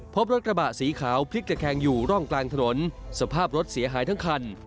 พบรถกระบะสีขาวพลิกตะแคงอยู่ร่องกลางถนนสภาพรถเสียหายทั้งคัน